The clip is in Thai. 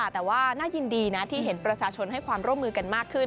แต่ว่าน่ายินดีนะที่เห็นประชาชนให้ความร่วมมือกันมากขึ้น